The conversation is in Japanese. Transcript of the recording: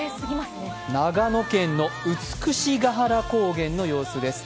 長野県の美ヶ原高原の様子です。